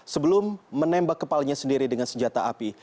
sebelum menembak kepalanya sendiri dengan senjata api